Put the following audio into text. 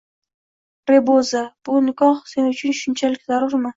Reboza, bu nikoh sen uchun shunchalik zarurmi